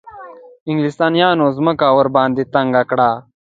انګلیسیانو مځکه ورباندې تنګه کړه.